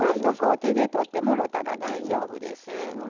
手でとってもろたら大丈夫です。